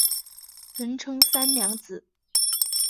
人称三娘子。